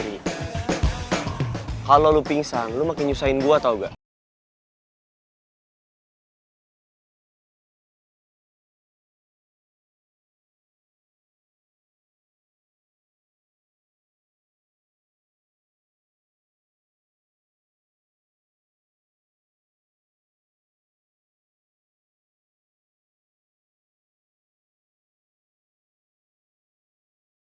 tuh kan perut gue jadi sakit lagi kan emosi sih bawa nya ketemu dia